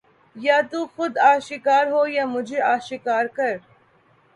یا تو خود آشکار ہو یا مجھے آشکار کر